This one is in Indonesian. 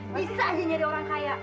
bisa sih nyari orang kaya